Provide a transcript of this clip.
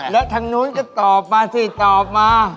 แล้วทางนู้นก็ตอบมาสิตอบมา